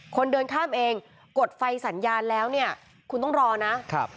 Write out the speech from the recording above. คนเดินข้ามเองกดไฟสัญญาณแล้วเนี่ยคุณต้องรอนะครับ